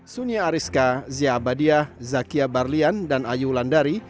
suni ariska zia abadiah zakia barlian dan ayu landari